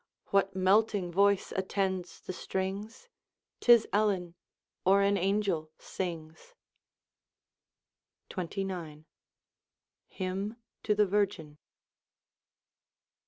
What melting voice attends the strings? 'Tis Ellen, or an angel, sings. XXIX. Hymn to the Virgin.